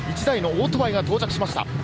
１台のオートバイが到着しました。